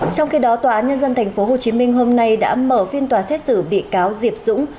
trong khi đó tòa án nhân dân tp hcm hôm nay đã mở phiên tòa xét xử bị cáo diệp dũng